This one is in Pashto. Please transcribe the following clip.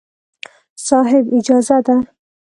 صاحب! اجازه ده.